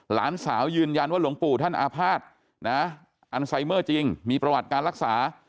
หลานสาวยืนยันว่าหลวงปู่ท่านอาภาษณ์นะอันไซเมอร์จริงมีประวัติการรักษา